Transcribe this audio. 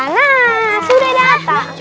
nah sudah datang